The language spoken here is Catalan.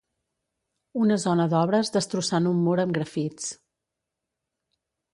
Una zona d'obres destrossant un mur amb grafits.